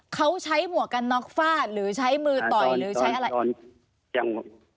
เขาใช้หมวกกันน็อกฟาดหรือใช้มือต่อยหรือใช้อะไร